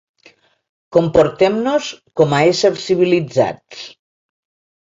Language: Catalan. Comportem-nos com a éssers civilitzats.